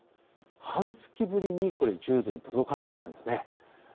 半月ぶりに１０度に届かなかったんです。